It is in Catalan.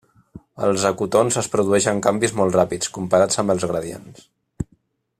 Als ecotons es produeixen canvis molt ràpids, comparats amb els gradients.